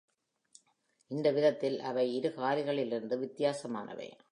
இந்த விதத்தில், அவை இருகாலிகளிலிருந்து வித்தியாசமானவை.